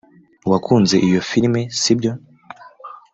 wakunze iyo firime, sibyo